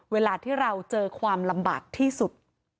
เวลาที่เราเจอความลำบากที่สุด